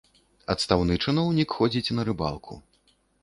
Адстаўны чыноўнік ходзіць на рыбалку.